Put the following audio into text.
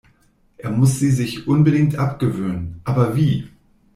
Er muss sie sich unbedingt abgewöhnen, aber wie?